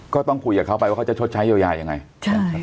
ก็ต้องคุยกับเขาไปว่าเขาจะชดใช้เยียวยายังไง